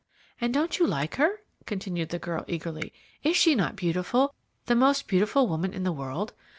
"And don't you like her?" continued the girl eagerly. "Is she not beautiful, the most beautiful woman in the world?